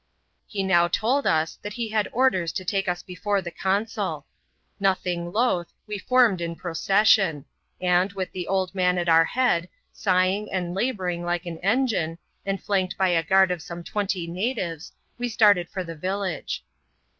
He now told us, that he had orders to take us before the consul. Nothing loth, we formed in procession ; and, with the old man at our head, sighing and labouring like an engine, *and flanked by a guard of some twenty natives, we started for the village.